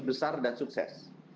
besar dan sukses